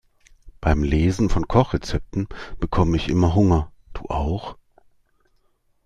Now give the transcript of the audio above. Beim Lesen von Kochrezepten bekomme ich immer Hunger, du auch?